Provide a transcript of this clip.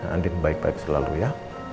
adit baik baik selalu ya